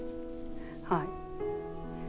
はい。